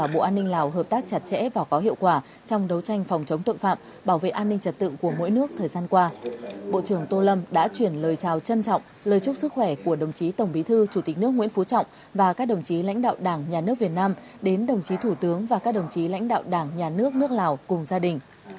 bộ trưởng tô lâm đã chuyển lời chào trân trọng lời chúc sức khỏe của đồng chí tổng bí thư chủ tịch nước nguyễn phú trọng và các đồng chí lãnh đạo đảng nhà nước việt nam đến đồng chí thủ tướng và các đồng chí lãnh đạo đảng nhà nước nước lào cùng gia đình